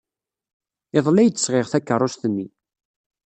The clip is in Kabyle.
Iḍelli ay d-sɣiɣ takeṛṛust-nni.